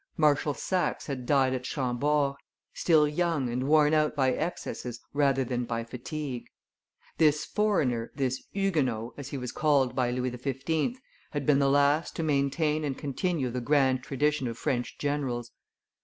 Marshal Saxe had died at Chambord, still young and worn out by excesses rather than by fatigue; this foreigner, this Huguenot, as he was called by Louis XV., had been the last to maintain and continue the grand tradition of French generals.